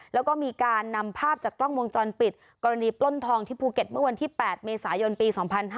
แล้วก็มีการนำภาพจากกล้องวงจรปิดกรณีปล้นทองที่ภูเก็ตเมื่อวันที่๘เมษายนปี๒๕๕๙